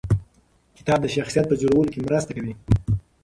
کتاب د شخصیت په جوړولو کې مرسته کوي.